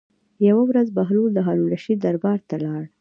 یوه ورځ بهلول د هارون الرشید دربار ته لاړ.